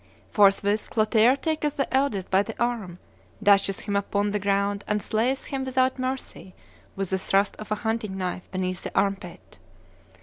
Forthwith Clotaire taketh the eldest by the arm, dasheth him upon the ground, and slayeth him without mercy with the thrust of a hunting knife beneath the arm pit.